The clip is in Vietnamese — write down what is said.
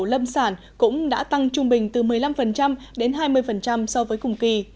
lâm sản cũng đã tăng trung bình từ một mươi năm đến hai mươi so với cùng kỳ